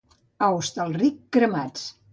A Hostalric, cremats.